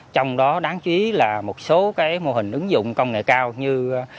trong đó đáng chú ý là một số mô hình ứng dụng công nghệ cao như